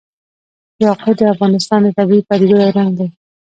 یاقوت د افغانستان د طبیعي پدیدو یو رنګ دی.